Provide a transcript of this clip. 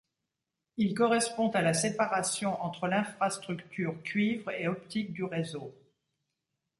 Il correspond à la séparation entre l’infrastructure cuivre et optique du réseau.